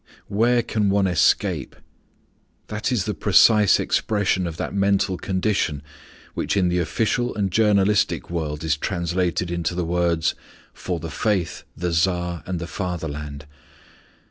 "Where can one escape?" That is the precise expression of that mental condition which in the official and journalistic world is translated into the words "For the Faith, the Tsar, and the Fatherland."